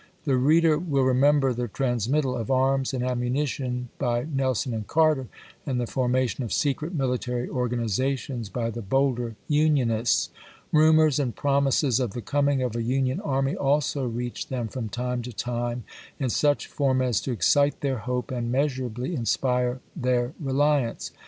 The reader will remember the transmittal of arms and ammunition by Nelson and Carter, and the forma tion of secret military organizations by the bolder Unionists. Eumors and promises of the coming of a Union army also reached them from time to time in such form as to excite their hope and measurably inspu'e their reliance.